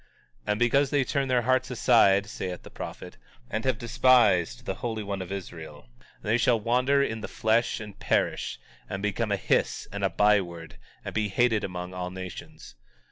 19:14 And because they turn their hearts aside, saith the prophet, and have despised the Holy One of Israel, they shall wander in the flesh, and perish, and become a hiss and a byword, and be hated among all nations.